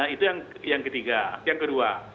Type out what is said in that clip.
itu yang kedua